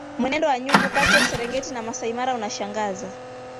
Mwenendo wa nyumbu kati ya Serengeti na Maasai Mara unashangaza